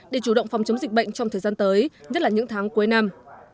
để chủ động phòng chống dịch bệnh trong thời gian tới nhất là những tháng cuối năm